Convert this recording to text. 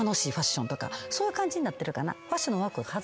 そういう感じになってるかな。